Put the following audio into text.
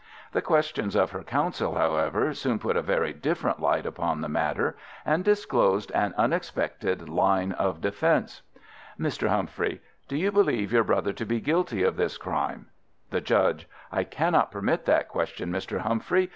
The questions of her counsel, however, soon put a very different light upon the matter, and disclosed an unexpected line of defence. Mr. Humphrey: Do you believe your brother to be guilty of this crime? The Judge: I cannot permit that question, Mr. Humphrey.